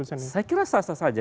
saya kira sah sah saja